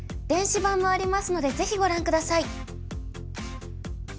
電子版もありますのでぜひご覧下さい。